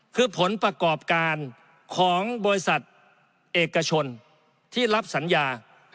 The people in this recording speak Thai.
คือผลประกอบการของบริษัทเอกชนที่รับสัญญา